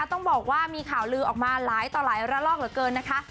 ต้องบอกว่ามีข่าวลือออกมาหลายต่อหลายระลอกเหลือเกินนะคะ